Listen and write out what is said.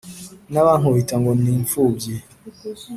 n’abankubita ngo ndi imfubyi